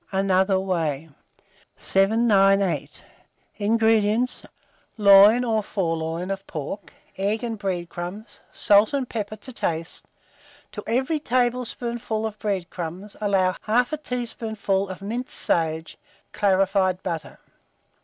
(Another Way.) 798. INGREDIENTS. Loin or fore loin, of pork, egg and bread crumbs, salt and pepper to taste; to every tablespoonful of bread crumbs allow 1/2 teaspoonful of minced sage; clarified butter.